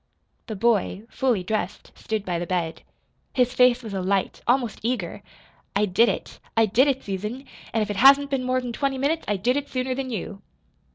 The boy, fully dressed, stood by the bed. His face was alight, almost eager. "I did it I did it, Susan! And if it hasn't been more than twenty minutes, I did it sooner than you!"